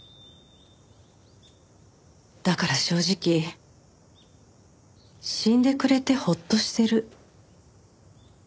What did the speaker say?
だから正直死んでくれてホッとしてる。